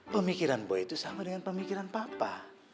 pemikiran bahwa itu sama dengan pemikiran papa